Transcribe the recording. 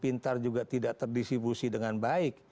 pintar juga tidak terdistribusi dengan baik